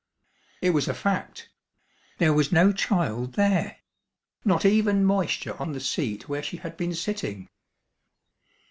It was a fact. There was no child there not even moisture on the seat where she had been sitting.